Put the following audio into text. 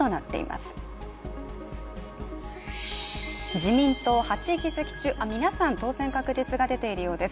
自民党８議席中、皆さん当選確実が出ているようです。